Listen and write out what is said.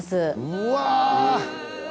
うわ！